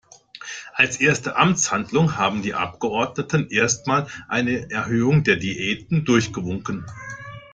Als erste Amtshandlung haben die Abgeordneten erst mal eine Erhöhung der Diäten durchgewunken.